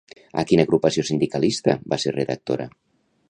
A quina agrupació sindicalista va ser redactora?